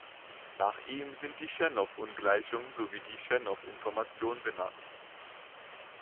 Nach ihm sind die Chernoff-Ungleichung sowie die Chernoff-Information benannt.